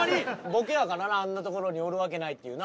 ボケやからなあんな所におるわけないっていうな。